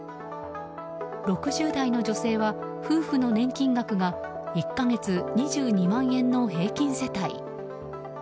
６０代の女性は、夫婦の年金額が１か月２２万円の平均世帯。